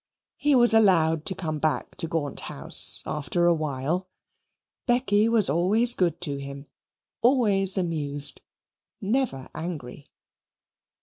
He was allowed to come back to Gaunt House after a while. Becky was always good to him, always amused, never angry.